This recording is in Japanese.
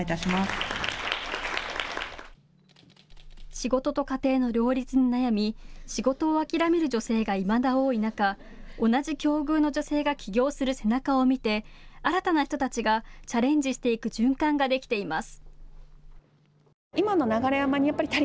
仕事と家庭の両立に悩み仕事を諦める女性がいまだ多い中、同じ境遇の女性が起業する背中を見て新たな人たちがチャレンジしていく循環ができています。